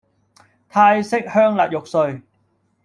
泰式香辣肉碎